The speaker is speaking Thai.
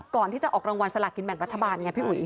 ก่อนที่จะออกรางวัลสลากินแบ่งรัฐบาลไงพี่อุ๋ย